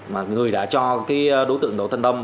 mà người đã cho cái đối tượng đổ tài tâm